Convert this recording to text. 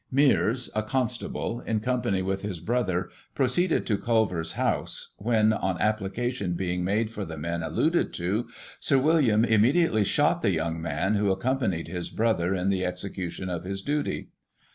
Mears, a constable, in company with his brother, proceeded to Culverts house, when, on application being made for the men alluded to, Sir William immediately shot the young man who accompanied his brother in the execution of his duty.